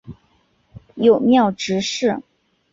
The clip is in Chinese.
友庙执事。